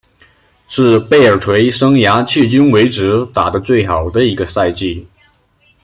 是贝尔垂生涯迄今为止打得最好的一个赛季。